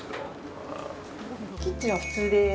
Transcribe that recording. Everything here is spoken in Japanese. キッチンは普通です。